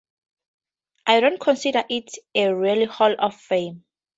I don't consider it a real Hall of Fame.